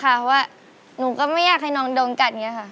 เพราะว่าหนูก็ไม่อยากให้น้องโดนกัดอย่างนี้ค่ะ